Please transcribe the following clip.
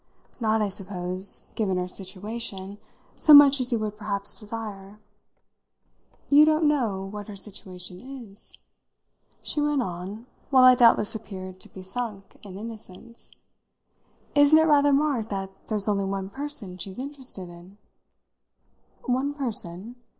"Not, I suppose, given her situation, so much as he would perhaps desire. You don't know what her situation is?" she went on while I doubtless appeared to be sunk in innocence. "Isn't it rather marked that there's only one person she's interested in?" "One person?"